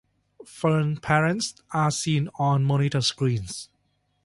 Fern's parents are seen on monitor screens.